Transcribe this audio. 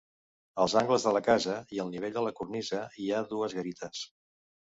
Als angles de la casa i al nivell de la cornisa hi ha dues garites.